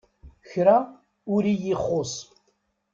Kra ur iyi-ixus.